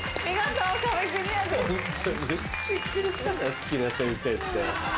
好きな先生って。